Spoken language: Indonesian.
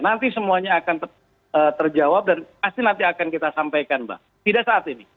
nanti semuanya akan terjawab dan pasti nanti akan kita sampaikan mbak tidak saat ini